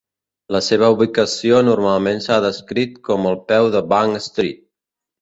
La seva ubicació normalment s'ha descrit com el peu de Bank Street.